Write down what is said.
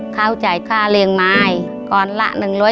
เขาจ่ายค่าเลี้ยงไม้กรละ๑๐๐